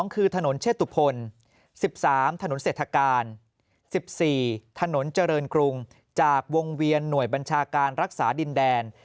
คือถนนเชษตุพล๑๓ถนนเศรษฐกาล๑๔ถนนเจริญกรุงจากวงเวียนหน่วยบัญชาการรักษาดินแดน